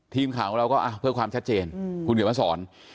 ทีมข่าวของเราก็เพื่อความชัดเจนคุณเขียนมาสอน